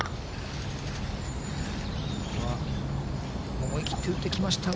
ここは思い切って打ってきましたが、